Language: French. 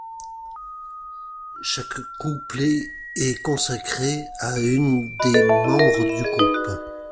Chaque couplet est consacré à une des membres du groupe.